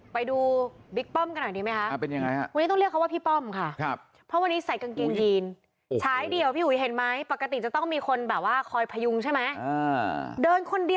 ถ้าผมไม่สามารถทำเสียงใจได้ผมไม่เป็นดีกว่าท่าน